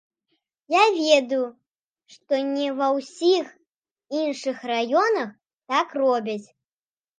Я ведаю, што не ва ўсіх іншых раёнах так робяць.